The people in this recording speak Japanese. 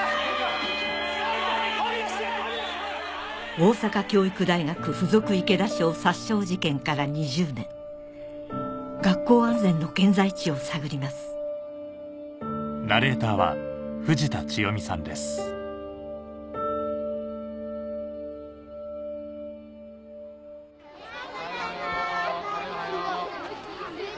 大阪教育大学附属池田小殺傷事件から２０年学校安全の現在地を探りますおはようございます。